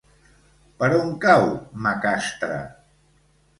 Per on cau Macastre?